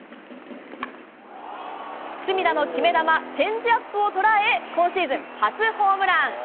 隅田の決め球チェンジアップを捉え今シーズン初ホームラン！